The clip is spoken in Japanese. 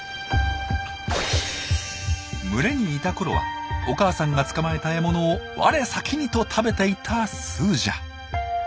群れにいたころはお母さんが捕まえた獲物をわれ先にと食べていたスージャ。